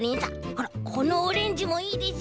ほらこのオレンジもいいでしょ？